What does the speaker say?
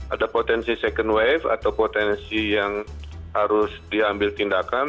ada potensi second wave atau potensi yang harus diambil tindakan